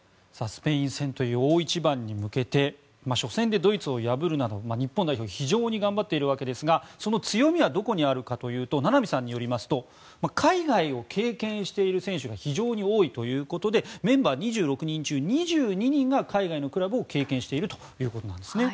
スペイン戦という大一番に向けて初戦でドイツを破るなど日本代表非常に頑張っているわけですがその強みはどこにあるかというと名波さんによりますと海外を経験している選手が非常に多いということでメンバー２６人中２２人が海外のクラブを経験しているということなんです。